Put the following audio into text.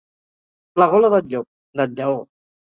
La gola del llop, del lleó.